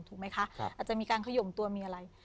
ถูกไหมคะอาจจะมีการขยมตัวมีอะไร